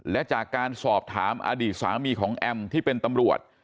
และจากการสอบถามอดีตสามีของแอมที่เป็นตำรวจ